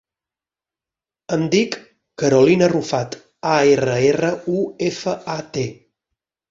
Em dic Carolina Arrufat: a, erra, erra, u, efa, a, te.